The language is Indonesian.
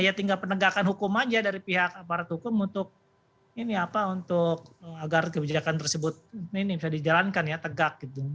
ya tinggal penegakan hukum aja dari pihak aparat hukum untuk ini apa untuk agar kebijakan tersebut ini bisa dijalankan ya tegak gitu